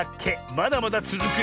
まだまだつづくよ。